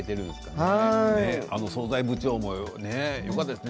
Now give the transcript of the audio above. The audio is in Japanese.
あの総菜部長もねよかったですね。